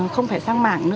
không phải sang mảng